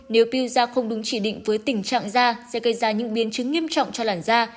nếu visa không đúng chỉ định với tình trạng da sẽ gây ra những biến chứng nghiêm trọng cho làn da